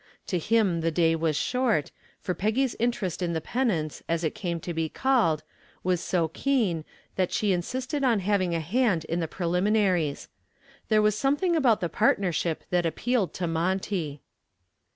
To him the day was short, for Peggy's interest in the penance, as it came to be called, was so keen that she insisted on having a hand in the preliminaries. There was something about the partnership that appealed to Monty.